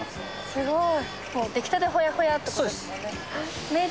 すごい！